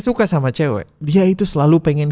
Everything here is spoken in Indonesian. suka sama cewek dia itu selalu pengen